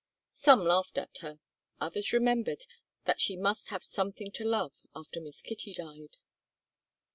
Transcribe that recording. Some laughed at her, others remembered that she must have something to love after Miss Kitty died.